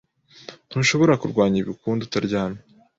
Ntushobora kurwanya ibi ukundi utaryamye